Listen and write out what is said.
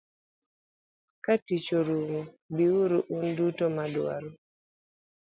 Katich orumo, bi uru un duto madwaro.